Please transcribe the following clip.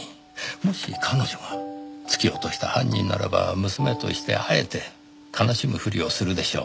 もし彼女が突き落とした犯人ならば娘としてあえて悲しむふりをするでしょう。